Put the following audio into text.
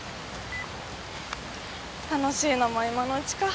楽しいのも今のうちか。